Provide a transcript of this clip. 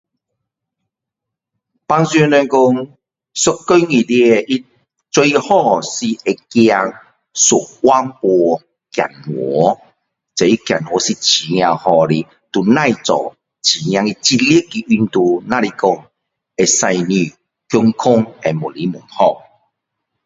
平常人讲一天里面最好是能够可以走一万步走路走路是很好的都不用做很激烈的运动只是说会使你健康会越来越好